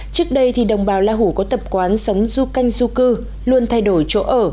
trước đây thì đồng bào la hủ có tập quán sống du canh du cư luôn thay đổi chỗ ở